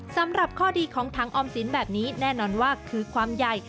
สำหรับข้อดีของถังออมสินแบบนี้แน่นอนว่าคือความใหญ่